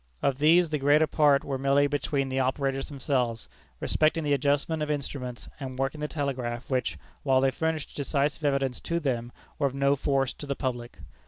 Of these, the greater part were merely between the operators themselves, respecting the adjustment of instruments, and working the telegraph, which, while they furnished decisive evidence to them, were of no force to the public.